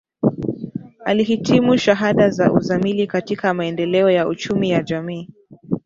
Alihitimu shahada ya uzamili katika maendeleo ya uchumi ya jamii